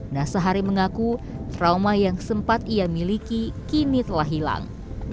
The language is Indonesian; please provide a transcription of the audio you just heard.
nasahari mengaku trauma yang sempat ia miliki kini telah hilang